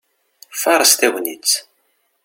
Faṛeṣ tagnitt!